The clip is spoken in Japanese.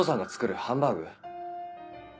ハハンバーグ？